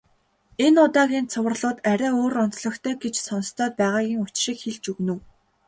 Энэ удаагийн цувралууд арай өөр онцлогтой гэж сонстоод байгаагийн учрыг хэлж өгнө үү.